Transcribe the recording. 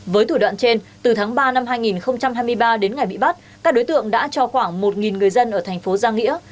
với thủ đoạn trên từ tháng ba năm hai nghìn hai mươi ba đến ngày bị bắt các đối tượng đã cho khoảng một người dân ở thành phố giang nghĩa